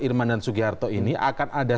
irman dan sugiharto ini akan ada